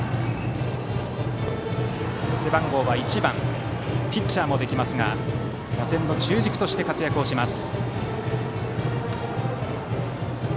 背番号は１番でピッチャーもできますが打線の中軸として活躍します。